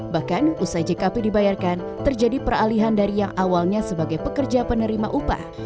bahkan usai jkp dibayarkan terjadi peralihan dari yang awalnya sebagai pekerja penerima upah